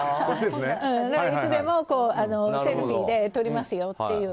いつでもセルフィーで撮りますよっていう。